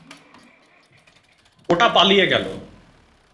ওটা পালিয়ে গেল।